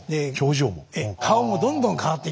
顔もどんどん変わっていきますね。